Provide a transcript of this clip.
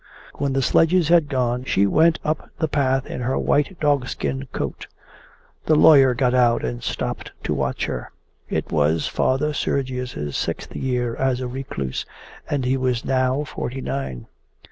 When the sledges had gone she went up the path in her white dogskin coat. The lawyer got out and stopped to watch her. It was Father Sergius's sixth year as a recluse, and he was now forty nine.